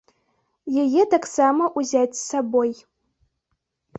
Яе таксама ўзяць з сабой.